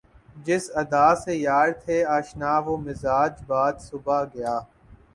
جس ادا سے یار تھے آشنا وہ مزاج باد صبا گیا